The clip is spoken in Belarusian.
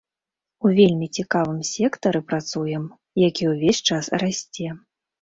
У вельмі цікавым сектары працуем, які ўвесь час расце.